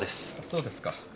そうですか。